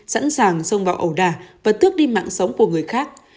sẵn sàng xông vào ẩu đà và tước đi mạng sống của người khác